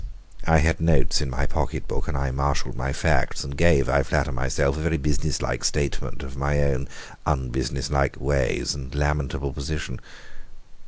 I had notes in my pocket book, and I marshalled my facts, and gave, I flatter myself, a very businesslike statement of my own unbusinesslike ways and lamentable position.